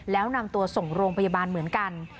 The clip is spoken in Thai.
แล้วนำตัวส่งโรงพยาบาลเหมือนกัน